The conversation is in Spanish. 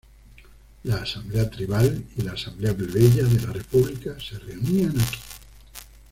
La asamblea tribal y la asamblea plebeya de la República se reunían aquí.